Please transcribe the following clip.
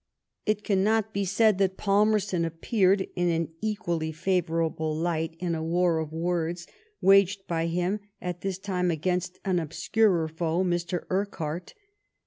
It cannot be said that Pal merston appeared in an equally favourable light in a ^war of words waged by him at this time against an obscurer foe, Mr. Urquhart.